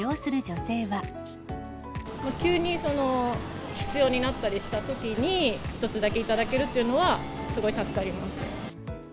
急に必要になったりしたときに、１つだけ頂けるっていうのは、すごい助かります。